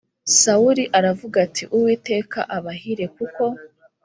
sawuli aravuga ati uwiteka abahire kuko